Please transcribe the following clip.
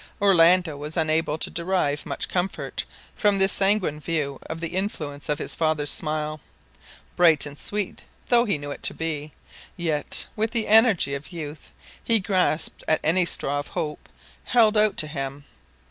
Orlando was unable to derive much comfort from this sanguine view of the influence of his father's smile bright and sweet though he knew it to be yet with the energy of youth he grasped at any straw of hope held out to him.